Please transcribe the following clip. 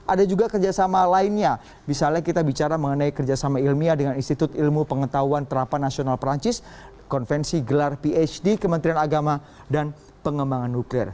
ada juga kerjasama lainnya misalnya kita bicara mengenai kerjasama ilmiah dengan institut ilmu pengetahuan terapan nasional perancis konvensi gelar phd kementerian agama dan pengembangan nuklir